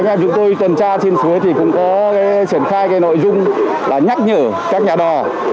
các em chúng tôi tuần tra trên suối thì cũng có triển khai cái nội dung là nhắc nhở các nhà đò